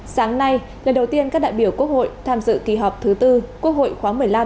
sáng nay lần đầu tiên các đại biểu quốc hội tham dự kỳ họp thứ tư quốc hội khóa một mươi năm